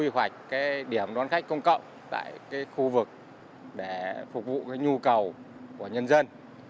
hoặc điểm đón khách công cộng tại khu vực để phục vụ nhu cầu của nhân dân